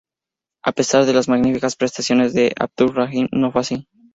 A pesar de las magníficas prestaciones de Abdur-Rahim no fue así.